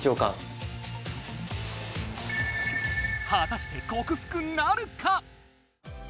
果たして克服なるか？